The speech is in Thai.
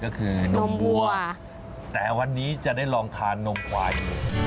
ก็คือนมวัวแต่วันนี้จะได้ลองทานนมควายดู